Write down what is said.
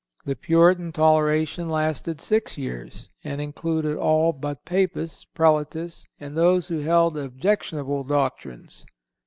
The Puritan toleration lasted six years, and included all but Papists, Prelatists and those who held objectional doctrines.